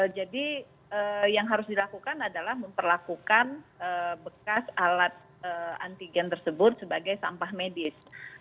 jadi yang harus dilakukan adalah memperlakukan bekas alat antigen tersebut sebagai sampah medis